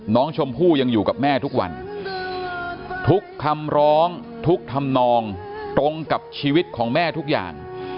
น้องชมพู่ยังอยู่กับแม่ทุกวันทุกคำร้องทุกธรรมนองตรงกับชีวิตของแม่ทุกอย่าง